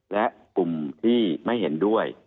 และกลุ่มที่ไม่เห็นด้วย